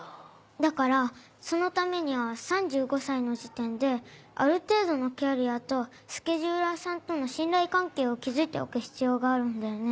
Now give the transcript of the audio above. だからそのためには３５歳の時点である程度のキャリアとスケジューラーさんとの信頼関係を築いておく必要があるんだよね。